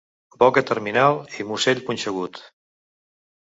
Boca terminal i musell punxegut.